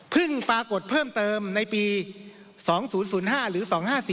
ปรากฏเพิ่มเติมในปี๒๐๐๕หรือ๒๕๔